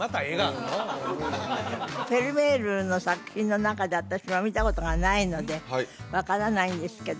フェルメールの作品の中で私は見たことがないので分からないんですけど